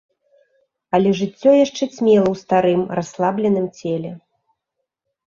Але жыццё яшчэ цьмела ў старым, расслабленым целе.